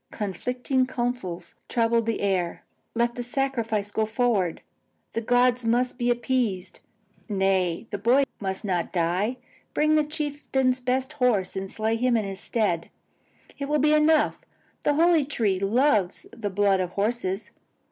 Conflicting counsels troubled the air. Let the sacrifice go forward; the gods must be appeased. Nay, the boy must not die; bring the chieftain's best horse and slay it in his stead; it will be enough; the holy tree loves the blood of horses.